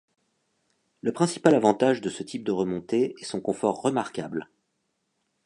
Le principal avantage de ce type de remontée est son confort remarquable.